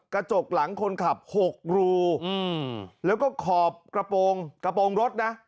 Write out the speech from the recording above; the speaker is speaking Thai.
กระจกหลังคนขับ๖รูแล้วก็ขอบกระโปรงกระโปรงรถนะ